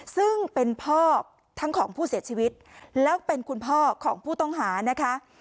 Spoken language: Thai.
ซึ่งเป็นพ่อทั้งของผู้เสียชีวิตแล้วเป็นคุณพ่อของผู้ต้องหานะคะ